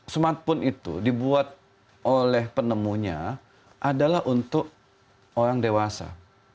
smartphone itu dibuat oleh penemunya adalah untuk orang dewasa